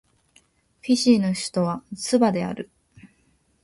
フィジーの首都はスバである